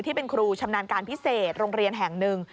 ที่เป็นครูชำนาญการพิเศษโรงเรียนแห่งหนึ่ง